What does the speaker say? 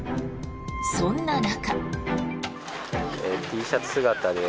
そんな中。